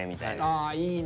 あいいね。